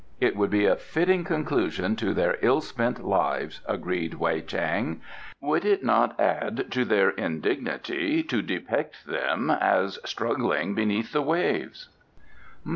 "It would be a fitting conclusion to their ill spent lives," agreed Wei Chang. "Would it not add to their indignity to depict them as struggling beneath the waves?"